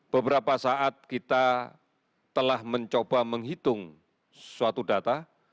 beberapa saat kita telah mencoba menghitung suatu data